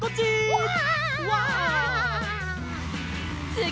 うわ！